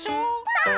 そう！